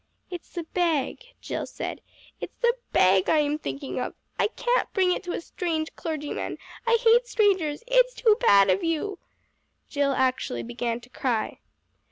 "It's the bag," Jill said; "it's the bag I am thinking of. I can't bring it to a strange clergyman. I hate strangers! It's too bad of you!" Jill actually began to cry.